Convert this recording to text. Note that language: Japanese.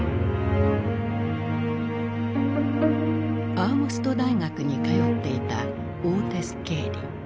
アーモスト大学に通っていたオーテス・ケーリ。